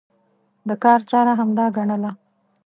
د کار چاره همدا ګڼله.